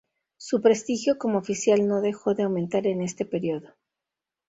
Su prestigio como oficial no dejó de aumentar en este periodo.